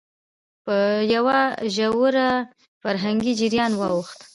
په يوه ژور فرهنګي جريان واوښت،